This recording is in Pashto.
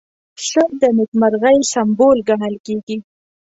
پسه د نېکمرغۍ سمبول ګڼل کېږي.